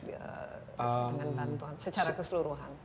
dengan bantuan secara keseluruhan